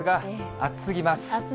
暑すぎます。